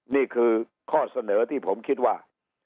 นี่คือข้อเสนอที่ผมคิดว่า